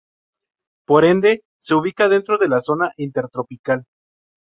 Por ende se ubica dentro de la zona intertropical.